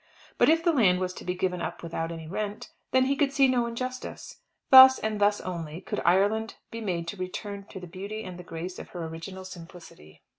But if the land was to be given up without any rent, then he could see no injustice. Thus, and thus only, could Ireland be made to return to the beauty and the grace of her original simplicity.